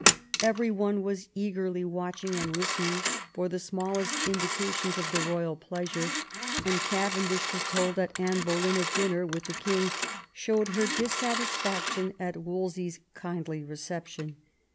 Every one was eagerly watching and listening for the smallest indications of the royal pleasure ; and Caven dish was told that Anne Boleyn at dinner with the king showed her dissatisfaction at Wolsey's kindly re ception.